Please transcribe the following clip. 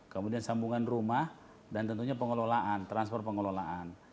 kemudian sambungan rumah dan tentunya pengelolaan transfer pengelolaan